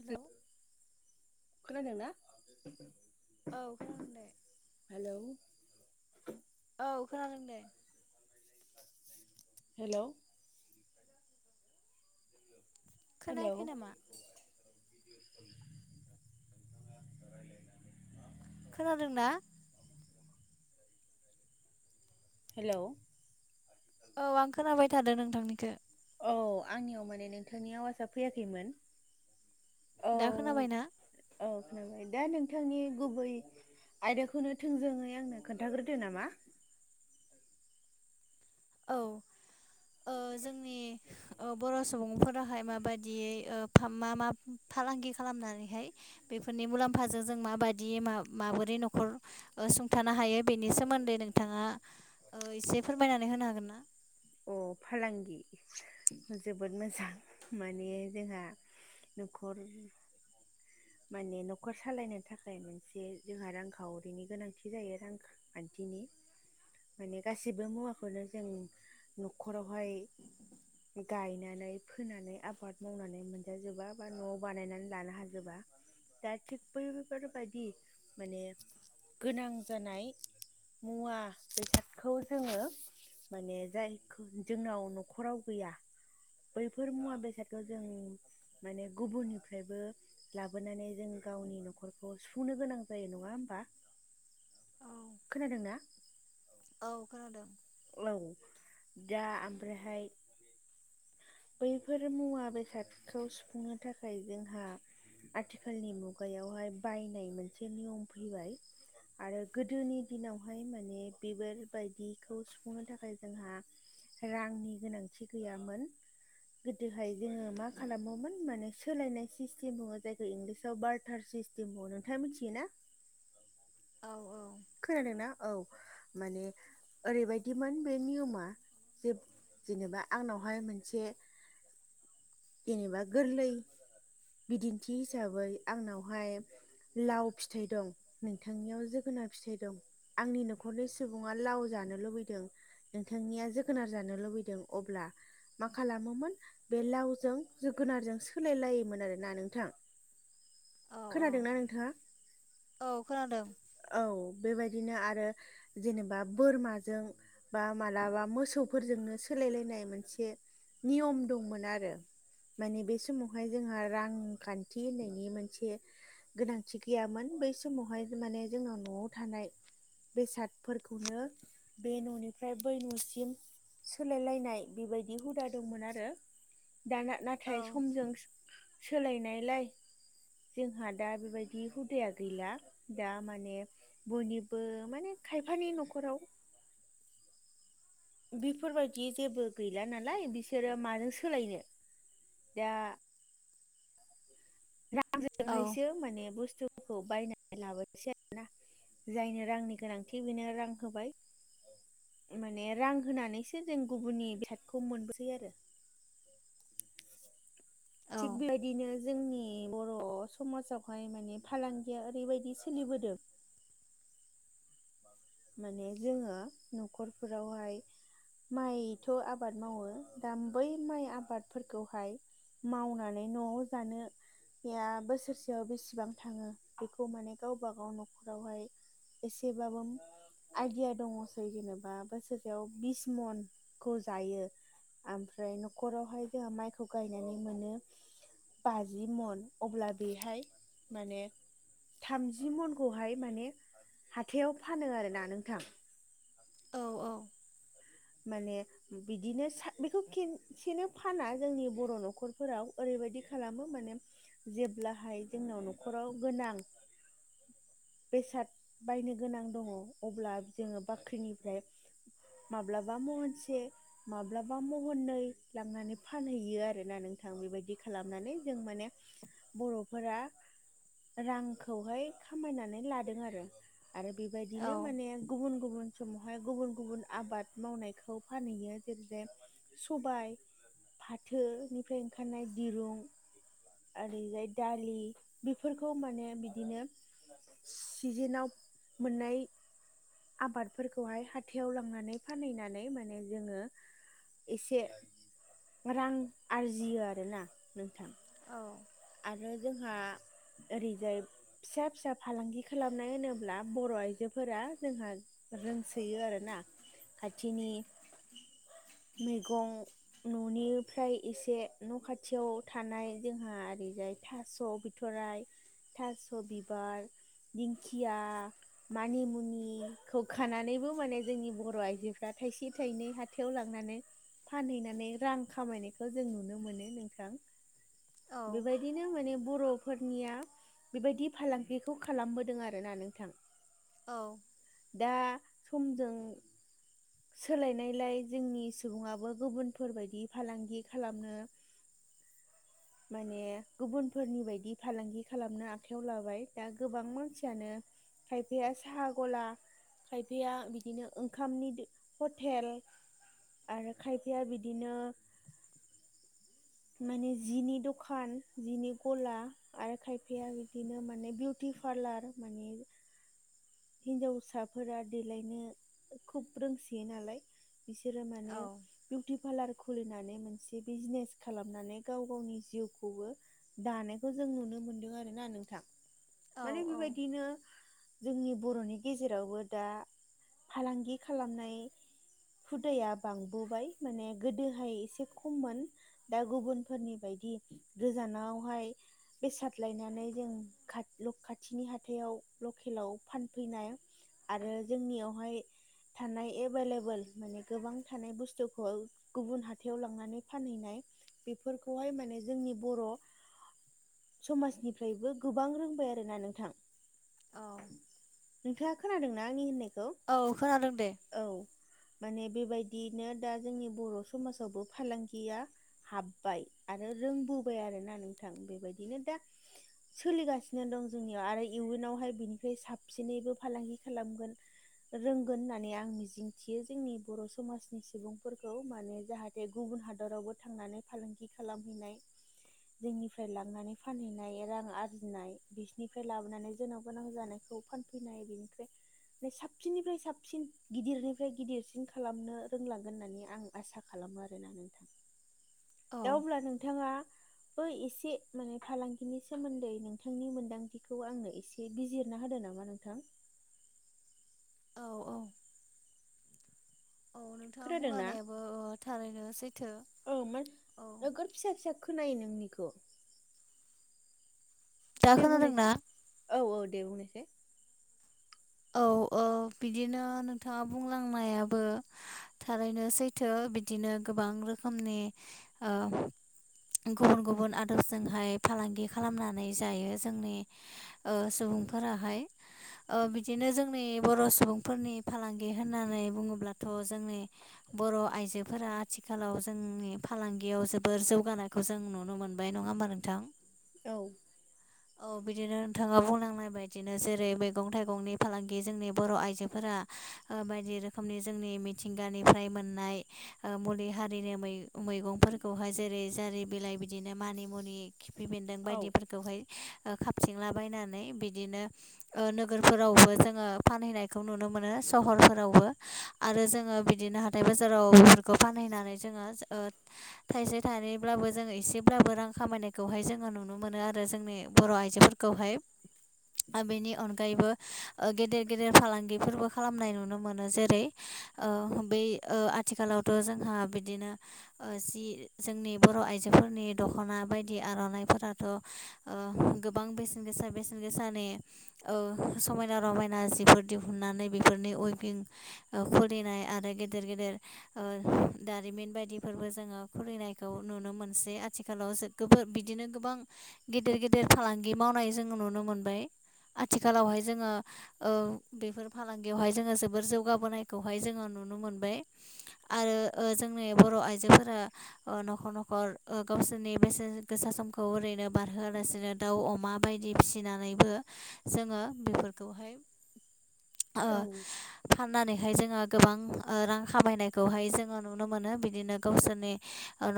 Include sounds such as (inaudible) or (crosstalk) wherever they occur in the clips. Hello खोनादों ना? औ खोनादों दे। हेलौ। औ खोनादों दे। हेलौ हेलौ खोनायाखै नामा? खोनादों ना? हेलौ औ आं खोनाबाय थादों नोंथांनिखो। औ आंनियाव माने नोंथांनि आवाजा फैयाखैमोन। दा खोनाबायना? ओ खोनाबाय दा नोंथांनि गुबै आयदाखौनो थोंजोङै आंनो खोन्थाग्रोदो नामा? औ ओ जोंनि ओ बर' सुबुंफोराहाय माबायदियै ओ मा मा फालांगि खालामनानैहाय बेफोरनि मुलाम्फाजों जों माबायदि मा-माबोरै न'खर ओ सुंथानो हायो बेनि सोमोन्दै नोंथाङा ओ इसे फोरमायनानै होनो हागोन ना? अ फालांगि जोबोद मोजां माने जोंहा न'खर माने न'खर सालायनो थाखाय मोनसे जोंहा रांखावरिनि गोनांथि जायो। रां खान्थिनि माने गासिबो मुवाखौनो जों न'खरावहाय गायनानै फोनानै आबाद मावनानै मोनजाजोबा बा न'आव बानायनानै लानो हाजोबा दा थिग बैफोरबायदि माने गोनां जानाय मुवा बेसादखौ जोङो माने जाय जोंनाव न'खराव गैया। बैफोर मुवा बेसादखौ जों माने गुबुननिफ्रायबो लाबोनानै जों गावनि न'खरखौ सुफुंनो गोनां जायो नङा होमबा? खोनादों ना औ खोनादों। औ दा ओमफ्रायहाय बैफोर मुवा बेसादखौ सुफुंनो थाखाय जोंहा आथिखालनि मुगायावहाय बायनाय मोनसे नियम फैबाय। आरो गोदोनि दिनावहाय माने बिबार बायदिखौ सुफुंनो थाखाय जोंहा रांनि गोनांथि गैयामोन। (inaudible) गोदोहाय जोङो मा खालामोमोन माने सोलायनाय सिस्टेम दङो जायखौ इंलिसाव बार्टार सिस थिम अ नोंथाङा मिथियोना? औ औ खोनादोंना औ माने ओरैबायदिमोन बे नियमा जोब जेनेबा आंनावहाय मोनसे जेनेबा गोरलै बिदिन्थि हिसाबै आंनावहाय लाव फिथाइ दं नोंथांनियाव जोगोनार फिथाइ दं आंनि न'खरनि सुबुङा लाव जानो लुबैदों। नोंथांनिया जोगोनार जानो लुबैदों अब्ला मा खालामोमोन बे लावजों जोगोनारजों सोलाय लायोमोन आरोना नोंथां। औ औ खोनादोंना नोंथाङा? औ खोनादों। औ बेबायदिनो आरो जेनेबा बोरमाजों बा मालाबा मोसौफोरजोंनो सोलायलायनाय मोनसे नियम दंमोन आरो। माने बे समावहाय जोंहा रांखान्थि होननायनि मोनसे गोनांथि गैयामोन बै समावहाय माने जोंनाव न'आव थानाय बेसादफोरखौनो बे न'निफ्राय बै न'सिम सोलायलायनाय बेबायदि हुदा दंमोन आरो दाना औ नाथाय समजों सोलायनायलाय जोंहा दा बेबायदि हुदाया गैला दा माने बयनिबो माने खायफानि न'खराव बिफोरबायदि जेबो गैला नालाय बिसोरो माजों सोलायनो दा औ आंजोंहायसो माने बुस्थुफोरखौ बायनानै लाबोनसै आरोना जायनो रांनि गोनांथि बेनो रां होबाय। माने रां होनानैसो जों गुबुननि बेसादखौ मोनबोसै आरो। औ थिग बेबायदिनो जोंनि बर' समाजावहाय माने फालांगिया ओरैबायदि सोलिबोदों। माने जोङो न'खरफोरावहाय माइथ' आबाद मावो दा बै माइ आबादफोरखौहाय मावनानै न'आव जानो या बोसोरसेयाव बेसेबां थाङो बेखौ माने गावबा गाव न'खरावहाय एसेबाबोम आइदिया दङसै जेनेबा बोसोरसेयाव बिस मनखौ जायो आमफ्राय न'खरावहाय जोंहा माइखौ गायनानै मोनो बाजि मन अब्ला बेहाय माने थामजि मनखौहाय माने हाथायाव फानो आरोना नोंथां औ औ माने बिदिनो सा बेखौ खिन सेनो फाना जोंनि बर' न'खरफोराव ओरैबायदि खालामो माने जेब्लाहाय जोंनाव न'खराव गोनां बेसाद बायनो गोनां दङ अब्ला जोङो बाख्रिनिफ्राय ब्लाबा महनसे माब्लाबा महननै लांनानै फानहैयो आरोना नोंथां बेबायदि खालामनानै जों माने बर'फोरा रांखौहाय खामायनानै लादों आरो। आरो औ बेबायदिनो माने गुबुन गुबुन समावहाय गुबुन गुबुन आबाद मावनायखौ फानहैयो जेरै जाय सबाय फाथोनिफ्राय ओंखारनाय दिरुं आरैजाय दालि बिफोरखौ माने बिदिनो सिजेनाव मोननाय आबादफोरखौहाय हाथायाव लांनानै फानहैनानै माने जोङो एसे रां आरजियो आरोना नोंथां औ आरो जोंहा ओरैजाय फिसा फिसा फालांगि खालामनाय होनोब्ला बर' आइजोफोरा जोंहा रोंसोयो आरो ना खाथिनि मैगं न'निफ्राय एसे न' खाथियाव थानाय जोंहा ओरैजाय थास' बि थ'राइ थास' बिबार दिंखिया मानिमुनिखौ खानानैबो माने जोंनि बर' आइजोफ्रा थाइसे थाइनै हाथायाव लां नानै फानहैनानै रां खामायनायखौ जों नुनो मोनो नोंथां। औ बेबायदिनो माने बर'फोरनिया बेबायदि फालांगिखौ खालामबोदों आरो ना नोंथां औ दा समजों सोलायनायलाय जोंनि सुबुङाबो गुबुनफोरबायदि फालांगि खालामनो (inaudible) माने गुबुनफोरनि बायदि फालांगि खालामनो आखायाव लाबाय दा गोबां मानसियानो खायफाया साहा गला खायफाया बिदिनो ओंखामनि हटेल आरो खायफाया बिदिनो माने जिनि दखान जिनि गला आरो खायफाया बिदिनो माने बिउटि पार्लार माने हिनजावसाफोरा देलायनो खुब रोंसोयो नालाय बिसोरो माने औ बिउटि पार्लार खुलिनानै मोनसे बिजनेस खालामनानै गाव गावनि जिउखौबो दानायखौ जों नुनो मोनदों आरो ना नोंथां औ माने बेबायदिनो जोंनि बर'नि गेजेरावबो दा फालांगि खालामनाय हुदाया बांबोबाय माने गोदोहाय एसे खममोन दा गुबुनफोरनि बायदि गोजानावहाय बेसाद लायनानै जों खा न खाथिनि हाथायाव लकेलाव फानफैनाय आरो जोंनियावहाय थानाय एभेलेबल माने गोबां थानाय बुस्थुखौ गुबुन हाथाइयाव लांनानै फानहैनाय बेफोरखौहाय माने जोंनि बर' समाजनिफ्रायबो गोबां रोंबाय आरोना नोंथां औ नोंथाङा खोनादोंना आंनि होननायखौ औ खोनादों दे औ माने बेबायदियैनो दा जोंनि बर' समाजावबो फालांगिया हाबबाय आरो रोंबोबाय आरोना नोंथां बेबायदिनो दा सोलिगासिनो दं जोंनियाव आरो इयुनावहाय बिनिफ्राय साबसिनैबो फालांगि खालामगोन रोंगोन होननानै आं मिजिंथियो जोंनि बर' समाजनि सुबुंफोरखौ माने जाहाथे गुबुन हादरावबो थांनानै फालांगि खालामहैनाय जोंनिफ्राय लांनानै फानहैनाय रां आरजिनाय बिसिनिफ्राय लाबोनानै जोनाव गोनां जानाय खौ फानफैनाय बेनिफ्राय साबसिननिफ्राय साबसिन गिदिरनिफ्राय गिदिरसिन खालामनो रोंलांगोन होननानै आं आसा खालामो आरोना नोंथां औ दा अब्ला नोंथाङा बो एसे माने फालांगिनि सोमोन्दै नोंथांनि मोन्दांथिखौ आंनो एसे बिजिरना होदो नामा नोंथां औ औ औ नोंथाङा खोनादों ना बुंलानायाबो थारैनो सैथो औ मा औ नोगोद फिसा फिसा खोनायो नोंनिखौ दा दे खोनादोंना? बुंनायसाय औ औ दे बुंनायसाय औ औ बिदिनो नोंथाङा बुंलांनायाबो थारैनो सैथो बिदिनो गोबां रोखोमनि गुबुन गुबुन आदबजोंहाय फालांगि खालामनानै जायो जोंनि सुबुंफोराहाय बिदिनो जोंनि बर' सुबुंफोरनि फालांगि होननानै बुङोब्लाथ' जोंनि बर' आइजोफोरा आथिखालाव जोंनि फालांगियाव जोबोर जौगानाय खौ जों नुनो मोनबाय नङा होमबा नोंथां औ औ बिदिनो नोंथाङा बुंलांनाय बायदिनो जेरै मैगं थाइगंनि फालांगि जोंनि बर' आइजोफोरा बायदि रोखोमनि जोंनि मिथिंगानिफ्राय मोननाय मुलि हारिनो मैगंफोरखौहाय जेरै जारि बिलाइ बिदिनो मानि मुनि खिफि बेन्दों औ बायदिफोरखौहाय खाबथिंलाबायनानै बिदिनो नोगोरफोरावबो जोङो फानहैनायखौ नुनो मोनो सहरफोरावबो आरो जोङो बिदिनो हाथाय बाजाराव बेफोरखौ फानहैनानै जोङो थाइसे थाइनैब्लाबो जोङो एसेब्लाबो रां खामायनायखौहाय जोङो नुनो मोनो आरो जोंनि बर' आइजोफोरखौहाय आरो बेनि अनगायैबो गेदेर गेदेर फालांगिफोरबो खालामनाय नुनो मोनो जेरै बै आथिखालावथ' जोंहा बिदिनो जि जोंनि बर' आइजोफोरनि दख'ना बायदि आर'नाइफोराथ' गोबां बेसेन गोसा बेसेन गोसानि समायना रमायना जिफोर दिहुननानै बेफोरनि उइबिं खुलिनाय आरो गेदेर गेदेर दारिमिन बायदिफोरबो जोङो खुलिनायखौ नुनो मोनसै आथिखालाव गो बिदिनो गोबां गेदेर गेदेर फालांगि मावनाय जोङो नुनो मोनबाय आथिखालावहाय जोङो बेफोर फालांगियावहाय जोङो जोबोर जौगाबोनायखौहाय जोङो नुनो मोनबाय आरो जोंनि बर' आइजोफोरा न'खर न'खर गावसोरनि बेसे गोसा समखौ ओरैनो बारहोआलासिनो दाउ अमा बायदि फिसि सिनानैबो जोङो बेफोरखौहाय औ फाननानैहाय जोङो गोबां रां खामायनायखौहाय जोङो नुनो मोनो बिदिनो गावसोरनि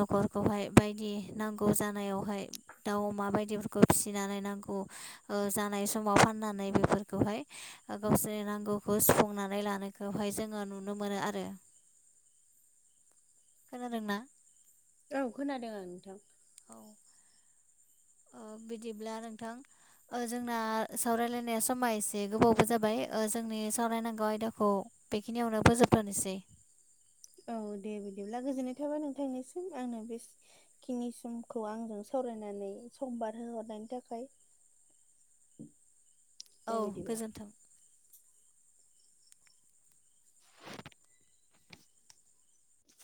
न'खरखौहाय बायदि नांगौ जानायावहाय दाउ अमा बायदिफोरखौ फिसिनानै नांगौ जानाय समाव फाननानै बेफोरखौहाय गावसोरनि नांगौखौ सुफुंनानै लानायखौहाय जोङो नुनो मोनो आरो। खोनादोंं ना? औ खोनादों आं नोंथां औ बिदिब्ला नोंथां जोंना सावरायलायनाया समा एसे गोबावबो जाबाय जोंनि सावरायनांगौ आयदाखौ बेखिनियावनो फोजोबथोनोसै औ दे बिदिब्ला गोजोननाय थाबाय नोंथांनिसिम आंनो बे खिनि समखौ आंजों सावरायनानै सम बारहो हरनायनि थाखाय औ औ गोजोन्थों